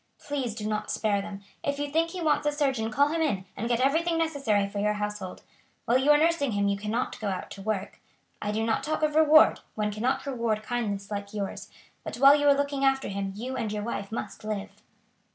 Please do not spare them. If you think he wants a surgeon call him in, and get everything necessary for your household. While you are nursing him you cannot go out to work. I do not talk of reward; one cannot reward kindness like yours; but while you are looking after him you and your wife must live."